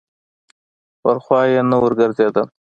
پر خوا یې نه یې ورګرځېدل.